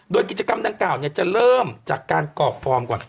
โดยกิจกรรมดังกล่าวจะเริ่มจากการกรอกฟอร์มก่อน